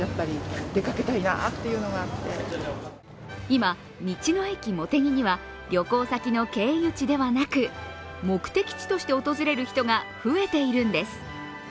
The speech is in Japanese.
今、道の駅もてぎには旅行先の経由地ではなく目的地として訪れる人が増えているんです。